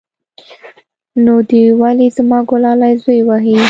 نو دى ولې زما گلالى زوى وهي.